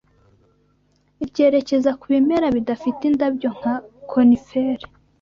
ryerekeza ku bimera bidafite indabyo nka coniferi